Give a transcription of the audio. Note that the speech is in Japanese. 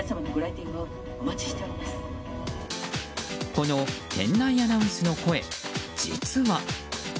この店内アナウンスの声実は。